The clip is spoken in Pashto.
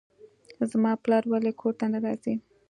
زما پلار ولې کور ته نه راځي.